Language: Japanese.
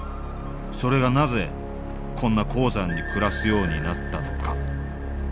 それがなぜこんな高山に暮らすようになったのか。